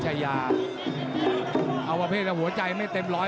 โอ้โหแดงโชว์แล้วโชว์อีกเลยเดี๋ยวดูผู้ดอลก่อน